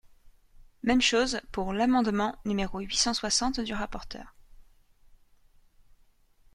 Même chose pour l’amendement numéro huit cent soixante du rapporteur.